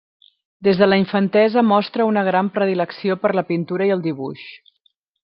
Des de la infantesa mostra una gran predilecció per la pintura i el dibuix.